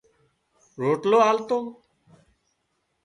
روٽلو آلتو